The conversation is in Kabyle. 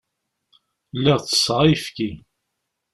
Lliɣ tesseɣ ayefki.